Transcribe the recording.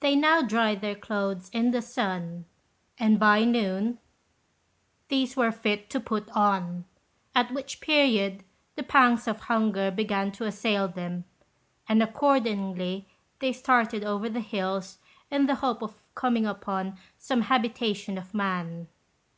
They now dried their clothes in the sun, and by noon these were fit to put on; at which period the pangs of hunger began to assail them, and accordingly they started over the hills in the hope of coming upon some habitation of man.